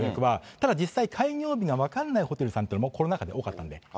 ただ実際に開業日が分からないホテルさんっていうのもコロナ禍で多かったので。